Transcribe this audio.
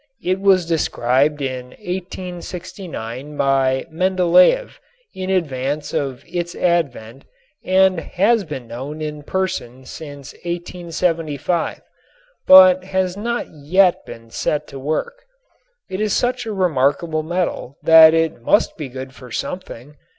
It was described in 1869 by Mendeléef in advance of its advent and has been known in person since 1875, but has not yet been set to work. It is such a remarkable metal that it must be good for something.